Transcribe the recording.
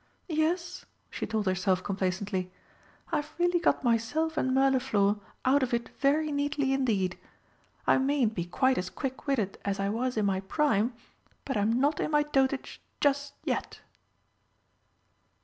"Yes," she told herself complacently, "I've really got myself and Mirliflor out of it very neatly indeed. I mayn't be quite as quick witted as I was in my prime but I'm not in my dotage just yet!"